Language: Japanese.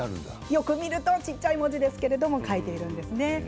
よく見ると小さい文字ですけど書いているんですね。